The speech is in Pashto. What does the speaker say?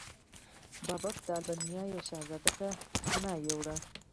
بابک د البانیا یو شهزاده ته پناه یووړه.